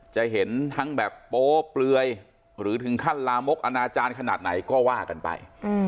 จะเห็นทั้งแบบโป๊เปลือยหรือถึงขั้นลามกอนาจารย์ขนาดไหนก็ว่ากันไป